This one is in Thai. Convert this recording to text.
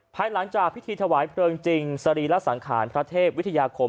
ภายหลังจากพิธีถวายเพลิงจริงสรีระสังขารพระเทพวิทยาคม